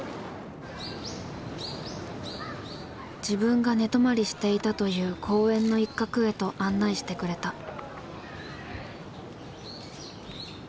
自分が寝泊まりしていたという公園の一角へと案内してくれた。